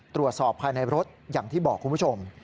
ตรวจสอบภายในรถอย่างที่บอกคุณผู้ชม